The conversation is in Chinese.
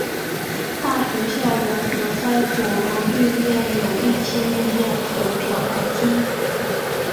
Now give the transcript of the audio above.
大学校园则在主楼对面有沥青路面和漂白机。